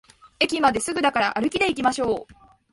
駅まですぐだから歩きでいきましょう